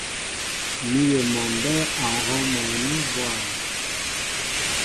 Míyə mɔ mbɛ́ɛ́ a ŋ̀hɔ́ŋ mɔní bwâm.